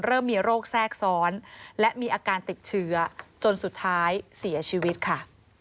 เริ่มมีโรคแทรกซ้อนและมีอาการติดเชื้อจนสุดท้ายเสียชีวิตค่ะ